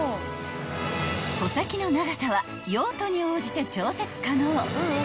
［穂先の長さは用途に応じて調節可能］